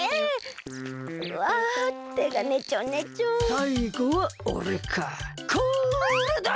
さいごはおれかこれだ！